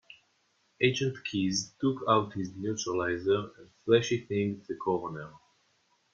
Agent Keys took out his neuralizer and flashy-thinged the coroner.